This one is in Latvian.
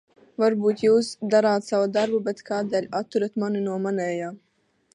Varbūt jūs darāt savu darbu, bet kādēļ atturat mani no manējā?